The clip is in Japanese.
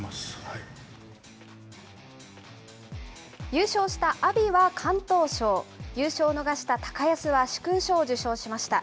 優勝した阿炎は敢闘賞、優勝を逃した高安は殊勲賞を受賞しました。